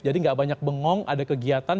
jadi gak banyak bengong ada kegiatan